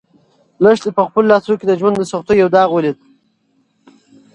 لښتې په خپلو لاسو کې د ژوند د سختیو یو داغ ولید.